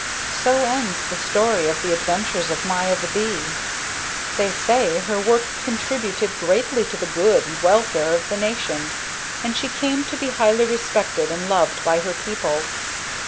So ends the story of the adventures of Maya the bee. They say her work contributed greatly to the good and welfare of the nation, and she came to be highly respected and loved by her people.